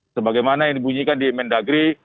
sebagaimana yang dibunyikan di mendagri